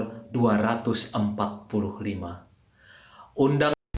undang undang cipta kerja